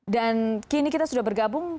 dan kini kita sudah bergabung